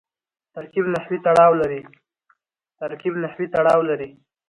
ترکیب نحوي تړاو لري.